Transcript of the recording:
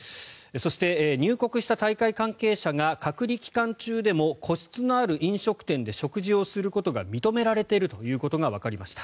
そして、入国した大会関係者が隔離期間中でも個室のある飲食店で食事をすることが認められているということがわかりました。